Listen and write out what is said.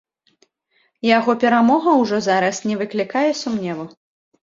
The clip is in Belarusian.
Яго перамога ўжо зараз не выклікае сумневу.